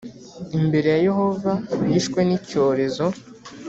imbere ya Yehova bishwe n’icyorezo